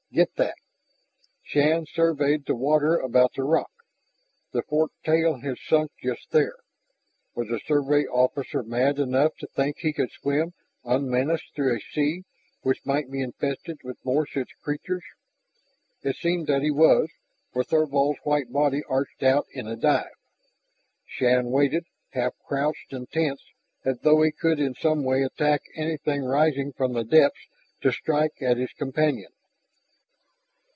"Get that." Shann surveyed the water about the rock. The forked tail had sunk just there. Was the Survey officer mad enough to think he could swim unmenaced through a sea which might be infested with more such creatures? It seemed that he was, for Thorvald's white body arched out in a dive. Shann waited, half crouched and tense, as though he could in some way attack anything rising from the depths to strike at his companion.